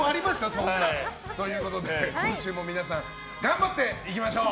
そんな。ということで今週も皆さん頑張っていきましょう。